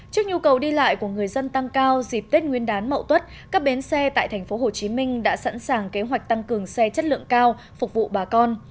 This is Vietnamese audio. trước nhu cầu đi lại của người dân tăng cao dịp tết nguyên đán mậu tuất các bến xe tại thành phố hồ chí minh đã sẵn sàng kế hoạch tăng cường xe chất lượng cao phục vụ bà con